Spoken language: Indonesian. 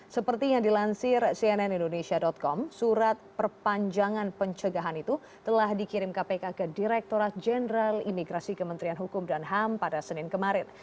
seperti yang dilansir cnn indonesia com surat perpanjangan pencegahan itu telah dikirim kpk ke direkturat jenderal imigrasi kementerian hukum dan ham pada senin kemarin